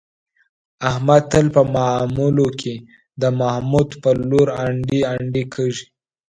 احمد تل په معاملو کې، د محمود په لور انډي انډي کېږي.